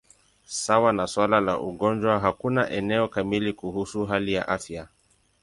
Sawa na suala la ugonjwa, hakuna elezo kamili kuhusu hali ya afya.